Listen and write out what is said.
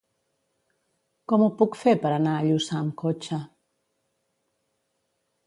Com ho puc fer per anar a Lluçà amb cotxe?